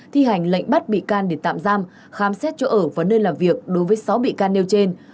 thi hành lệnh bắt bị can để tạm giam khám xét chỗ ở và nơi làm việc đối với sáu bị can nêu trên